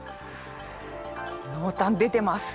濃淡出てます。